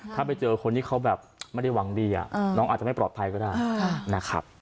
ถ้าไปเจอคนที่เขาแบบไม่ได้หวังดีน้องอาจจะไม่ปลอดภัยก็ได้นะครับ